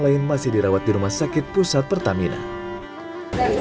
lain masih dirawat di rumah sakit pusat pertamina korban lainnya ibu saya ya